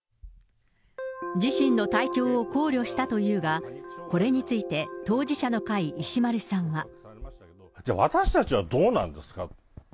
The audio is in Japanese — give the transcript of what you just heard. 自身の体調を考慮したというが、これについて、じゃあ、私たちはどうなんですか。